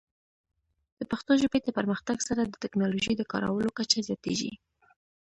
د پښتو ژبې د پرمختګ سره، د ټیکنالوجۍ د کارولو کچه زیاتېږي.